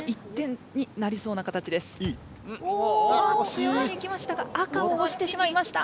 強めにいきましたが赤を押してしまいました。